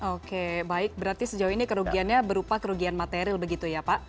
oke baik berarti sejauh ini kerugiannya berupa kerugian material begitu ya pak